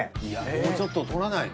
もうちょっととらないの？